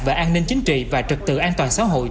và an ninh chính trị và trực tự an toàn xã hội